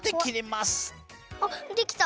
あっできた！